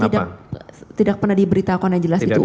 kalau tidak pernah diberitakan yang jelas itu ugd ya